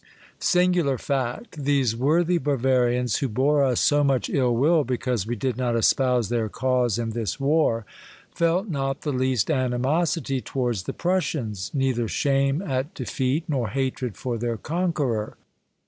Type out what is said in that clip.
Singular fact ! These worthy Bavarians, who bore us so much ill will because we did not espouse their cause in this war, felt not the least animosity 3i6 Monday Tales, towards the Prussians, — neither shame at defeat, nor hatred for their conqueror.